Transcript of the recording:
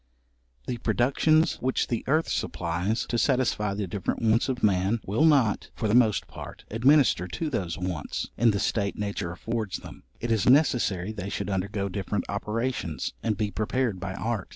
The productions which the earth supplies to satisfy the different wants of man, will not, for the most part, administer to those wants, in the state nature affords them; it is necessary they should undergo different operations, and be prepared by art.